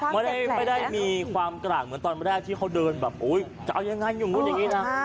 ไม่ได้มีความกร่างเหมือนตอนแรกที่เขาเดินแบบจะเอายังไงอย่างนู้นอย่างนี้นะ